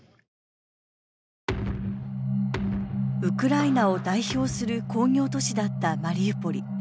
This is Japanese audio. ウクライナを代表する工業都市だったマリウポリ。